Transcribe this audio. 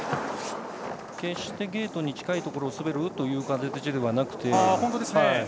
決してゲートに近いところを滑るという感じではなくて。